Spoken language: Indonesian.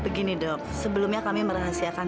begini dok sebelumnya kami merahasiakan